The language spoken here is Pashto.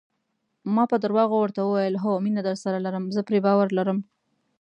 ما په درواغو ورته وویل: هو، مینه درسره لرم، زه پرې باور لرم.